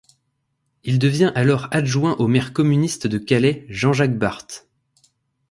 Il devient alors adjoint au maire communiste de Calais Jean-Jacques Barthe.